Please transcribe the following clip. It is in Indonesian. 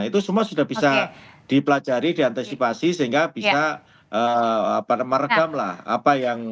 itu semua sudah bisa dipelajari diantisipasi sehingga bisa meredamlah apa yang